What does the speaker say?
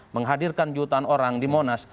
menghadirkan jutaan orang di monas